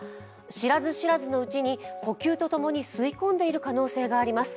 知らず知らずのうちに呼吸とともに吸い込んでいる可能性があります。